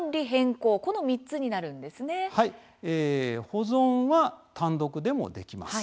「保存」は単独でもできます。